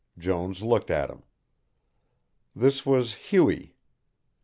Jones looked at him. This was Hughie.